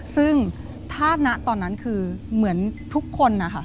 ซึ่งธาตุณะตอนนั้นคือเหมือนทุกคน